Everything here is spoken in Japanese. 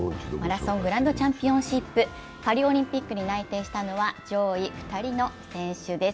マラソングランドチャンピオンシップ、パリオリンピックに内定したのは上位２人の選手です。